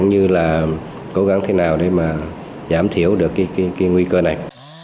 cũng như là cố gắng thế nào để mà giảm thiểu được cái nguy cơ này